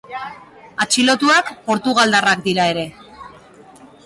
Atxilotuak portugaldarrak dira ere.